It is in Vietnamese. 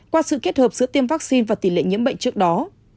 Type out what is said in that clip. qua sự kết hợp giữa tiêm vaccine và tỷ lệ nhiễm bệnh trước đó